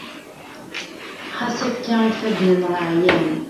ɣas akka ifadden-nneɣ ɛyan